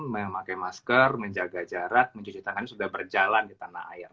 memakai masker menjaga jarak mencuci tangan sudah berjalan di tanah air